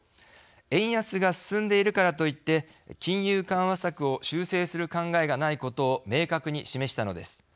円安が進んでいるからといって金融緩和策を修正する考えがないことを明確に示したのです。